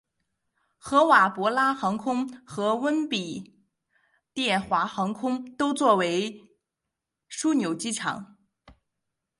合瓦博拉航空和温比殿华航空都作比为枢纽机场。